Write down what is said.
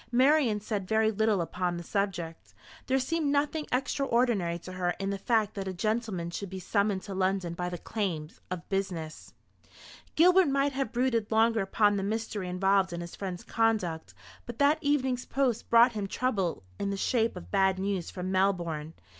Marian said very little upon the subject. There seemed nothing extraordinary to her in the fact that a gentleman should be summoned to London by the claims of business. Gilbert might have brooded longer upon the mystery involved in his friend's conduct, but that evening's post brought him trouble in the shape of bad news from Melbourne.